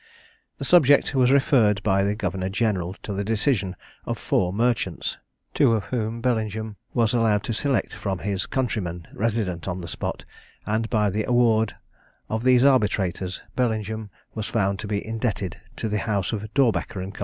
The subject was referred by the Governor General to the decision of four merchants, two of whom Bellingham was allowed to select from his countrymen resident on the spot, and by the award of these arbitrators Bellingham was found to be indebted to the house of Dorbecker and Co.